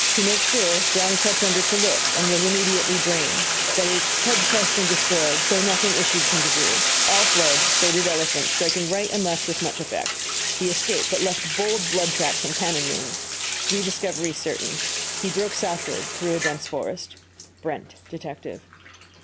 To make sure, Brown crept under to look, and was immediately brained that is, head crushed and destroyed, though nothing issued from debris. All fled so did elephant, striking right and left with much effect. Has escaped, but left bold blood track from cannon wounds. Rediscovery certain. He broke southward, through a dense forest. BRENT, Detective.